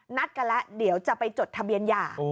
นัดกันแล้วเดี๋ยวจะไปจดทะเบียนหย่า